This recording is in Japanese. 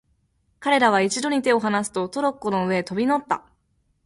彼等は一度に手をはなすと、トロッコの上へ飛び乗った。